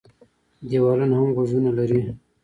ـ دیوالونه هم غوږونه لري.